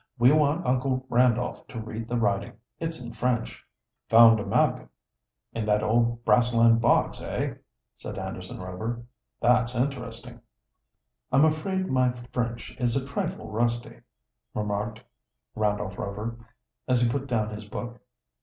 "We want Uncle Randolph to read the writing. It's in French." "Found a map in that old brass lined box, eh?" said Anderson Rover. "That's interesting." "I am afraid my French is a trifle rusty," remarked Randolph Rover, as he put down his book.